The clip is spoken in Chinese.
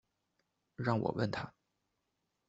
让我问他